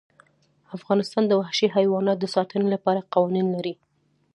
افغانستان د وحشي حیوانات د ساتنې لپاره قوانین لري.